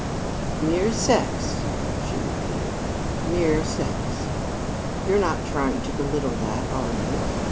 "Mere sex!" she repeated. "Mere sex! You're not trying to belittle that, are you?